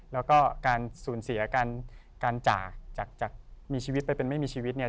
แล้วก็การสูญเสียการจากจากมีชีวิตไปเป็นไม่มีชีวิตเนี่ย